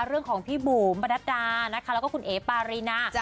เรื่องของพี่บูมบรรดานะคะแล้วก็คุณเอ๊ปารีน่า